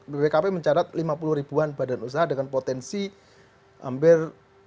bpkp mencatat lima puluh ribuan badan usaha dengan potensi hampir